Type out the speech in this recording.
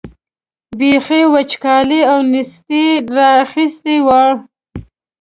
بېخي وچکالۍ او نېستۍ را اخیستي وای.